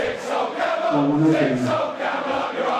مہ اونتھ این۔